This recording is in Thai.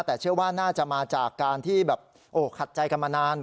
แต่เชื่อว่าน่าจะมาจากการที่แบบโอ้ขัดใจกันมานาน